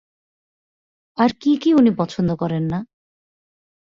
আর কি কি উনি পছন্দ করেন না?